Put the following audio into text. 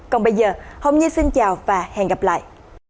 còn bây giờ hôm nay xin chào và hẹn gặp lại